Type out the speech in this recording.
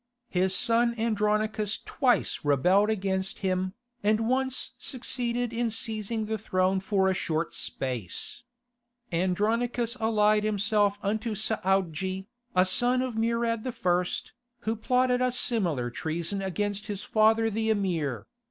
His son Andronicus twice rebelled against him, and once succeeded in seizing the throne for a short space. Andronicus allied himself unto Saoudji, a son of Murad I., who plotted a similar treason against his father the Emir.